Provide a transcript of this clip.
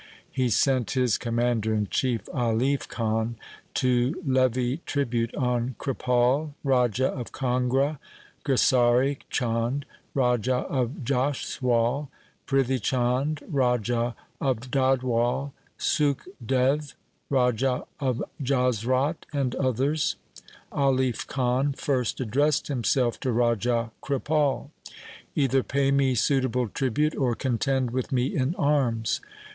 He sent his commander in chief, Alif Khan, to levy tribute on Kripal, Raja of Kangra, Kesari Chand, Raja of Jaswal, Prithi Chand, Raja of Dadhwal, Sukh Dev, Raja of Jasrot, and others. Alif Khan first addressed himself to Raja Kripal, ' Either pay me suitable tribute or contend with me in arms.'